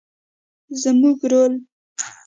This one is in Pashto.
زموږ رول